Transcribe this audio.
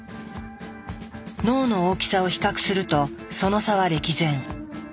脳の大きさを比較するとその差は歴然。